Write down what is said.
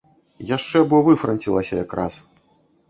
Яшчэ бо выфранцілася якраз!